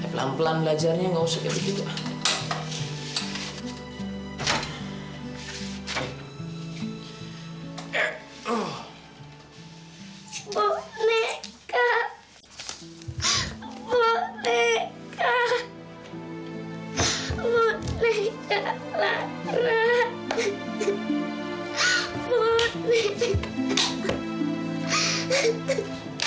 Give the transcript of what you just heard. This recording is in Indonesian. pelan pelan belajarnya gak usah kayak begitu